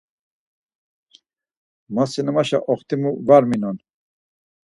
Ma sinemaşa oxtimu var minon.